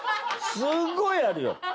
すっごいあるよ。